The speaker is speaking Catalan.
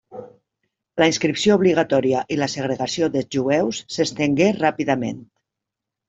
La inscripció obligatòria i la segregació dels jueus s'estengué ràpidament.